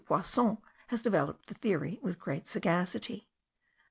Poisson has developed the theory with great sagacity.